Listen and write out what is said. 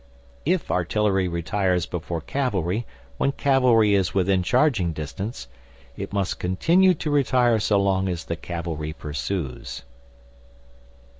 If artillery retires before cavalry when cavalry is within charging distance, it must continue to retire so long as the cavalry pursues.